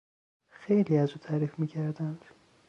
خیلی از او تعریف میکردند.